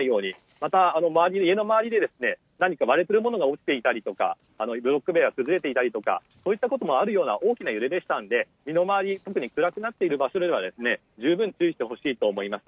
また家の周りで割れているものが落ちていたりとかブロック塀が崩れていたりとかそういったこともあるような大きな揺れでしたので身の回り特に暗くなっている場所では十分注意してほしいと思います。